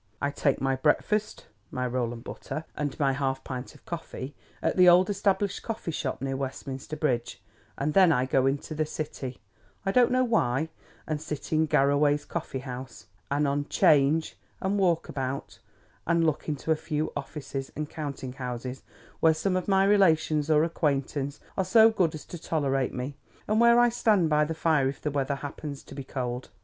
I take my breakfast—my roll and butter, and my half pint of coffee—at the old established coffee shop near Westminster Bridge; and then I go into the City—I don't know why—and sit in Garraway's Coffee House, and on 'Change, and walk about, and look into a few offices and counting houses where some of my relations or acquaintance are so good as to tolerate me, and where I stand by the fire if the weather happens to be cold.